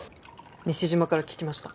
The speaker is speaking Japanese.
西島から聞きました。